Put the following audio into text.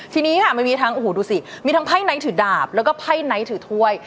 ทีนี้ค่ะมันมีทั้งโอ้โหดูสิมีทั้งไพ่ไนท์ถือดาบแล้วก็ไพ่ไนท์ถือถ้วย